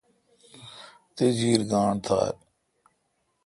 تی چیر گاݨڈ تھال۔